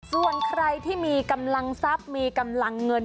ส่วนใครที่มีกำลังทรัพย์มีกำลังเงิน